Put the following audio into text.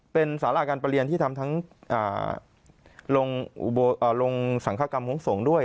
เป็นสาราการประเรียนที่ทำทั้งลงสังฆกรรมของสงฆ์ด้วย